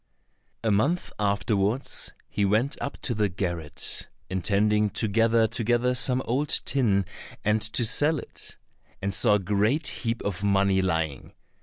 A month afterwards he went up to the garret, intending to gather together some old tin and to sell it, and saw a great heap of money lying.